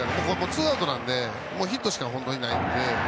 ツーアウトなのでヒットしか本当にもうないので。